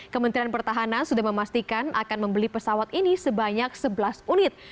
kementerian pertahanan sudah memastikan akan membeli pesawat ini sebanyak sebelas unit